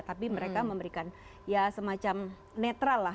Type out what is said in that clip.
tapi mereka memberikan ya semacam netral lah